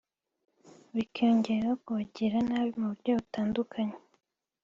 bikiyongeraho kubagirira nabi mu buryo butandukanye